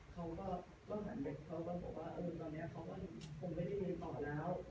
ก็พอดีลูกเขาเพิ่งจบมาเขาก็บอกว่าตอนนี้เขาคงไม่ได้เรียนต่อแล้ว